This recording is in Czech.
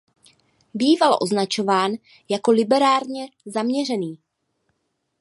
Býval označován jako liberálně zaměřený.